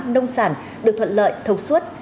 nông sản được thuận lợi thống suốt